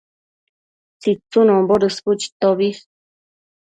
tsitsunombo dësbu chitobi